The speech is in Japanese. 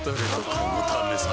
このためさ